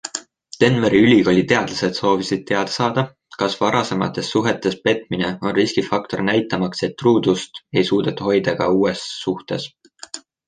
Denveri Ülikooli teadlased soovisid teada saada, kas varasematest suhetes petmine on riskifaktor näitamaks, et truudust ei suudeta hoida ka uues suhtes.